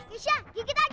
isya gikit aja